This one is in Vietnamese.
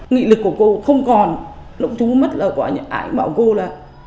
nghị lực của cô không còn lúc chú mất là có ai bảo cô là